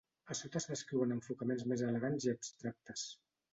A sota es descriuen enfocaments més elegants i abstractes.